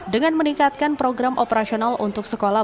dengan meningkatkan program operasional untuk sekolah